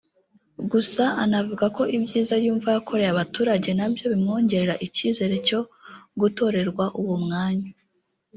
Gusa anavuga ko ibyiza yumva yakoreye abaturage na byo bimwongerera icyizere cyo gutorerwa uwo mwanya